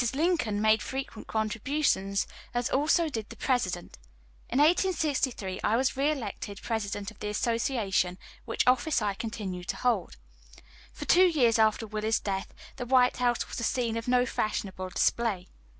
Lincoln made frequent contributions, as also did the President. In 1863 I was re elected President of the Association, which office I continue to hold. For two years after Willie's death the White House was the scene of no fashionable display.